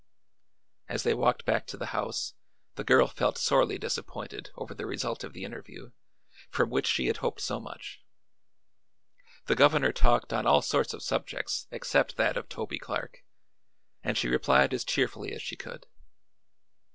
As they walked back to the house the girl felt sorely disappointed over the result of the interview, from which she had hoped so much. The governor talked on all sorts of subjects except that of Toby Clark and she replied as cheerfully as she could.